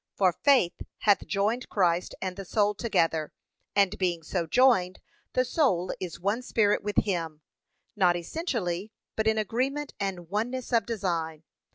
For faith hath joined Christ and the soul together, and being so joined, the soul is one spirit with him; not essentially, but in agreement and oneness of design.